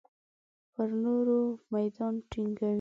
پر نورو میدان تنګوي.